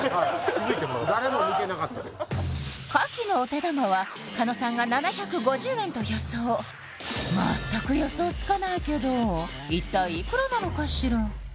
気づいてもなかったですかきのお手玉は狩野さんが７５０円と予想全く予想つかないけど一体いくらなのかしら？